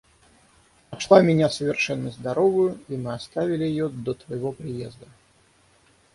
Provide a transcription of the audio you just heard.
Нашла меня совершенно здоровою, и мы оставили ее до твоего приезда.